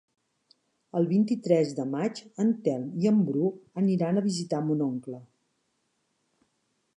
El vint-i-tres de maig en Telm i en Bru aniran a visitar mon oncle.